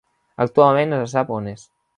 Actualment no se sap on és.